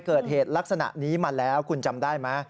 เกิดเหตุลักษณะนี้มาแล้วคุณจำได้ไหม